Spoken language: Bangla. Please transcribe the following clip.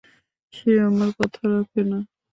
সে আমার কথা রাখে না।